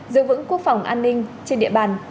giữ vững quốc phòng an ninh trên địa bàn